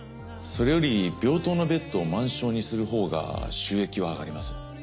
それより病棟のベッドを満床にするほうが収益は上がります。